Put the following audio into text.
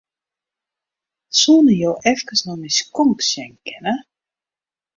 Soenen jo efkes nei myn skonk sjen kinne?